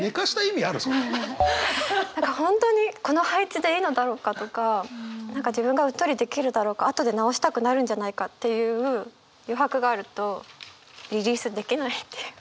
何か本当にこの配置でいいのだろうかとか何か自分がうっとりできるだろうか後で直したくなるんじゃないかっていう余白があるとリリースできないっていう。